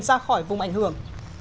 ra khỏi vùng ảnh hưởng